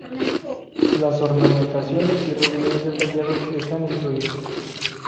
Las ornamentaciones y relieves detallados están incluidos.